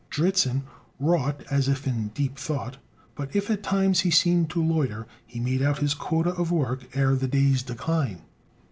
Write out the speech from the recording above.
Dritzhn wrought as if in deep thought; but if at times he seemed to loiter, he made out his quota of work ere the day's decline.